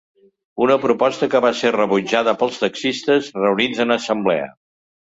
Una proposta que va ser rebutjada pels taxistes reunits en assemblea.